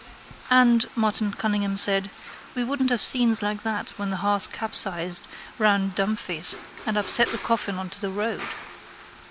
—And, Martin Cunningham said, we wouldn't have scenes like that when the hearse capsized round Dunphy's and upset the coffin on to the road.